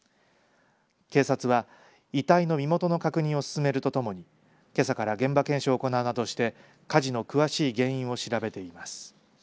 警察は遺体の身元の確認を進めるとともに、けさから現場検証を行うなどして火事の詳しい原因を調べています。